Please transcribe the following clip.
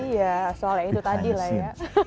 iya soalnya itu tadi lah ya